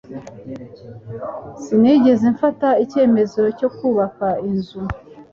Sinigeze mfata icyemezo cyo kubaka inzu